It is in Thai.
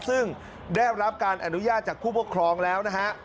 ซึ่งได้รับการอนุญาตจากผู้ปกครองแล้วนะฮะ